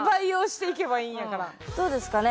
どうですかね？